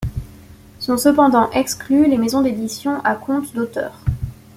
Sont cependant exclues les maisons d'édition à compte d'auteur.